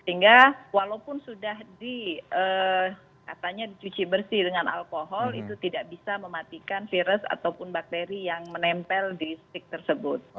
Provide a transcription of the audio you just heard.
sehingga walaupun sudah dicuci bersih dengan alkohol itu tidak bisa mematikan virus ataupun bakteri yang menempel di stik tersebut